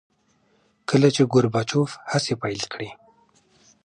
کله چې ګورباچوف هڅې پیل کړې.